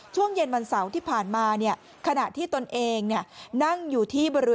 ช่วงเย็นวันเสาร์ที่ผ่านมาเนี่ยขณะที่ตนเองนั่งอยู่ที่บริเวณ